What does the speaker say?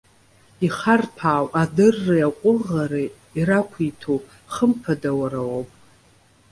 Ихарҭәаау адырреи аҟәыӷареи ирақәиҭу, хымԥада уара уоуп.